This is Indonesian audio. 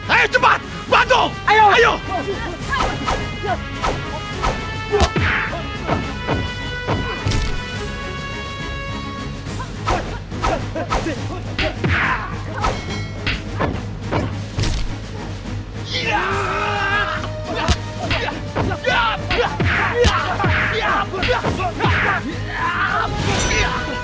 aduh masalah apa lagi ini